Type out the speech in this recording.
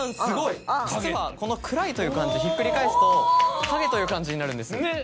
実はこの「暗」という漢字ひっくり返すと「影」という漢字になるんです。